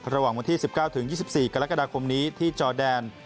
ระหว่างวันที่๑๙๒๔กรกฎาคมนี้ที่จอแดน